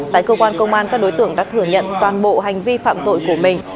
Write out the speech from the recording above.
tại cơ quan công an các đối tượng đã thừa nhận toàn bộ hành vi phạm tội của mình